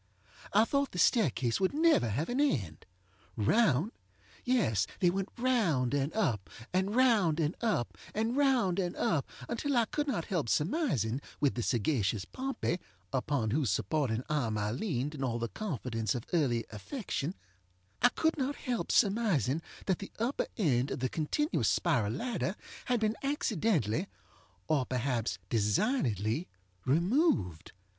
I thought the staircase would never have an end. Round! Yes, they went round and up, and round and up and round and up, until I could not help surmising, with the sagacious Pompey, upon whose supporting arm I leaned in all the confidence of early affectionŌĆöI could not help surmising that the upper end of the continuous spiral ladder had been accidentally, or perhaps designedly, removed.